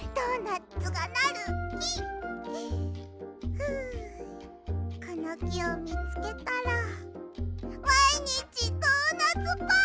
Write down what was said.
ふうこのきをみつけたらまいにちドーナツパーティー！